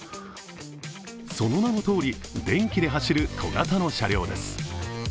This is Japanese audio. その名のとおり、電気で走る小型の車両です。